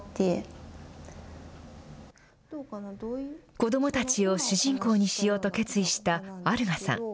子どもたちを主人公にしようと決意した有賀さん。